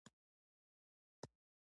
مقوله ده: وايي جومات غول وکړه چې مشهور شې.